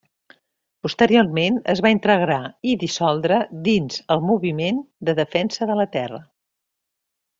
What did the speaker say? Posteriorment es va integrar i dissoldre dins el Moviment de Defensa de la Terra.